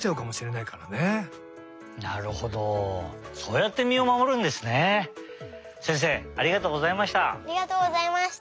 せんせいありがとうございました。